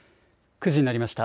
９時になりました。